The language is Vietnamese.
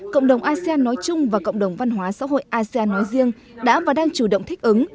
cộng đồng asean nói chung và cộng đồng văn hóa xã hội asean nói riêng đã và đang chủ động thích ứng